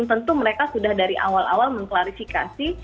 tentu mereka sudah dari awal awal mengklarifikasi